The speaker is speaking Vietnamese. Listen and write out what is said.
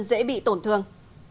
dễ bị tổn thương